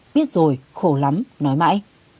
và câu chuyện biết rồi khổ lắm nói mãi